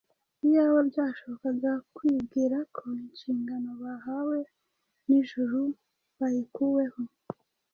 Iyaba bashoboraga kwibwira ko inshingano bahawe n’ijuru bayikuweho,